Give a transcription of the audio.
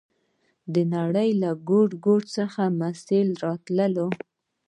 د نړۍ له ګوټ ګوټ څخه محصلین راتلل.